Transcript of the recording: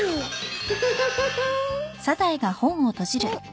フフフん